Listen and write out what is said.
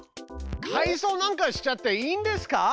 改造なんかしちゃっていいんですか？